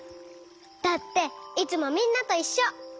だっていつもみんなといっしょ！